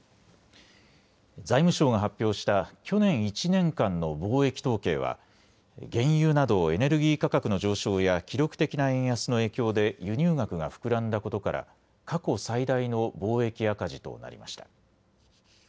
財務省が発表した去年１年間の貿易統計は原油などエネルギー価格の上昇や記録的な円安の影響で輸入額が膨らんだことから過去最大の貿易赤字となりました。